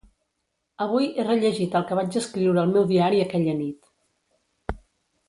Avui he rellegit el que vaig escriure al meu diari aquella nit.